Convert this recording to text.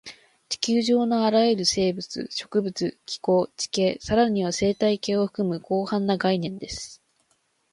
地球上のあらゆる生物、植物、気候、地形、さらには生態系を含む広範な概念です